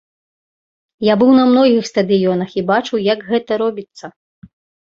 Я быў на многіх стадыёнах і бачыў, як гэта робіцца.